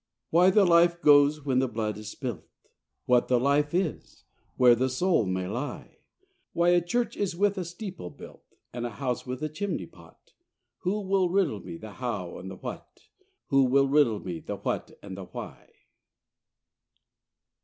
Why the life goes when the blood is spilt? What the life is? where the soul may lie? Why a church is with a steeple built; And a house with a chimney pot? Who will riddle me the how and the what? Who will riddle me the what and the why?